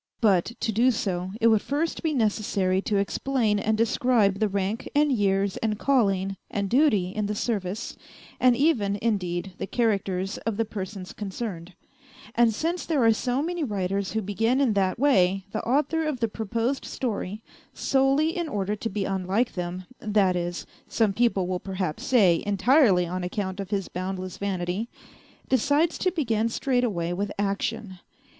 But, to do so, it would first be necessary to explain and describe the rank and years and calling and duty in the service, and even, indeed, the characters of the persons concerned ; and since there are so many writers who begin in that way the author of the proposed story, solely in order to be unlike them (that is, some people will perhaps say, entirely on account of his boundless vanity), decides to begin straightaway with action.